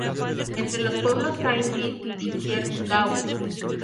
Entre los pueblos Saint Beat y Cierp-gaud.